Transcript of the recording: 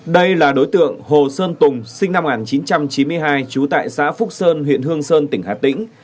đây là đối tượng hồ sơn tùng sinh năm một nghìn chín trăm chín mươi hai trú tại xã phúc sơn huyện hương sơn tỉnh hà tĩnh